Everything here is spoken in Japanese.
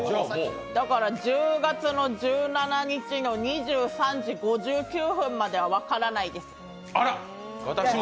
だから１０月１７日の２３時５９分までは分からないです。